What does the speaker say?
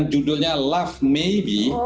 judulnya love maybe